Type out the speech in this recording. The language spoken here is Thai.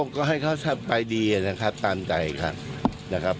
ก็ให้เขาทำไปดีนะครับตามใจครับ